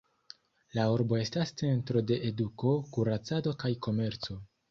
La urbo estas centro de eduko, kuracado kaj komerco.